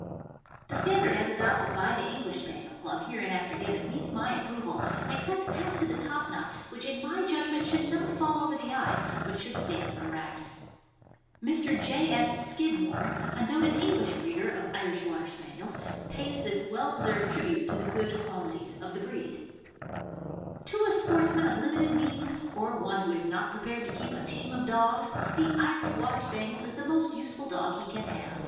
The standard as adopted by the English Spaniel Club, hereinafter given, meets my approval, except as to the top knot, which in my judgment should not fall over the eyes, but should stand erect. Mr. J. S. Skidmore, a noted English breeder of Irish Water Spaniels, pays this well deserved tribute to the good qualities of the breed: To a sportsman of limited means, or one who is not prepared to keep a team of dogs, the Irish Water Spaniel is the most useful dog he can have, THE IRISH WATER SPANIEL.